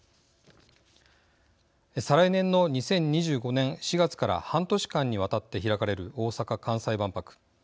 再来年の２０２５年４月から半年間にわたって開かれる大阪・関西万博。